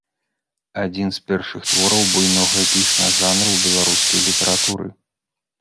Адзін з першых твораў буйнога эпічнага жанру ў беларускай літаратуры.